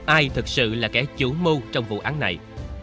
ai thực sự là kẻ chủ mưu trong vụ án này